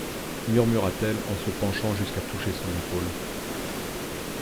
Murmura-t-elle en se penchant jusqu'à toucher son épaule.